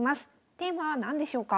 テーマは何でしょうか？